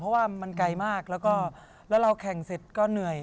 เพราะว่ามันไกลมากแล้วก็แล้วเราแข่งเสร็จก็เหนื่อย